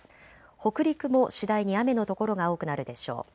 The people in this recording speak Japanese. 北陸も次第に雨の所が多くなるでしょう。